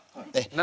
何？